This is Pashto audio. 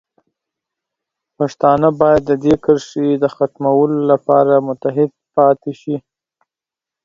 پښتانه باید د دې کرښې د ختمولو لپاره متحد پاتې شي.